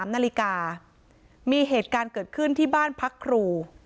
๓นาฬิกามีเหตุการณ์เกิดขึ้นที่บ้านพักครู